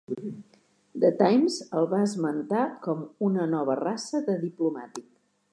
"The Times" el va esmentar com "una nova raça de diplomàtic".